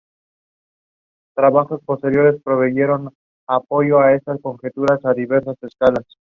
Mother Mary Francis also oversaw an extensive building campaign.